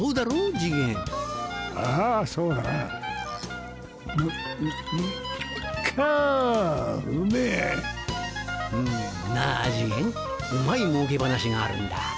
次元うまい儲け話があるんだ。